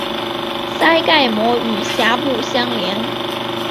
腮盖膜与峡部相连。